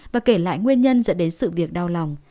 và kể lại nguyên nhân dẫn đến sự việc đau lòng